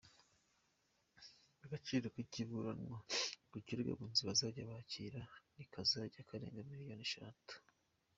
Agaciro k’ikiburanwa ku kirego Abunzi bazajya bakira ntikazajya karenga miliyoni eshatu.